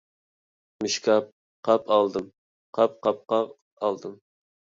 مىشكاپ _ قاپ ئالدىم، قاپ_ قاپقاق ئالدىم.